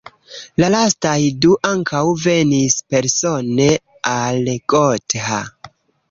La lastaj du ankaŭ venis persone al Gotha.